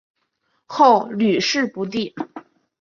后屡试不第。